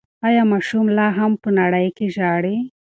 ایا ماشوم لا هم په انړۍ کې ژاړي؟